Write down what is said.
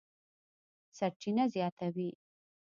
سرچینه زیاتوي